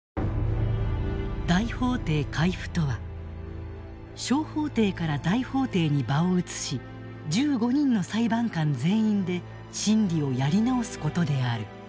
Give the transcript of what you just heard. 大法廷回付とは小法廷から大法廷に場を移し１５人の裁判官全員で審理をやり直すことである。